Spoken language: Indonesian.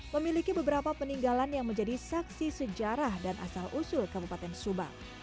memiliki beberapa peninggalan yang menjadi saksi sejarah dan asal usul kabupaten subang